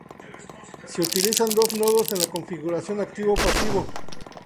Se utilizan dos nodos en la configuración Activo-Pasivo.